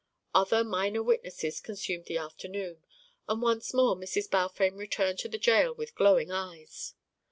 Other minor witnesses consumed the afternoon, and once more Mrs. Balfame returned to the jail with glowing eyes.